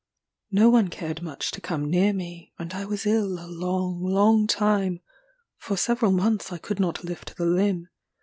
No one cared much to come near me, and I was ill a long long time; for several months I could not lift the limb.